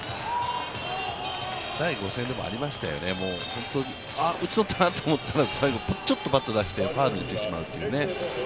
第５戦でもありましたよね、打ち取ったなと思ったら、最後、ちょっとバットを出してファウルにしてしまうというね。